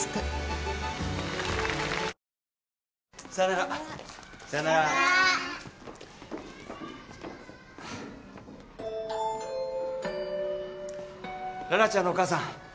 羅羅ちゃんのお母さん。